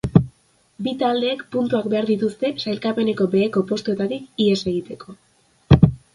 Bi taldeek puntuak behar dituzte sailkapeneko beheko postuetatik ihes egiteko.